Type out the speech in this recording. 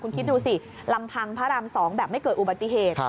คุณคิดดูสิลำพังพระราม๒แบบไม่เกิดอุบัติเหตุ